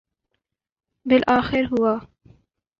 بالآخر ہوا۔